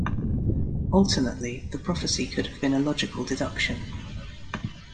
Alternately, the prophecy could have been a logical deduction.